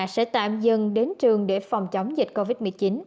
sẽ tạm dừng đến trường để phòng chống dịch covid một mươi chín